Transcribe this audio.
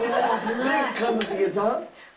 で一茂さん？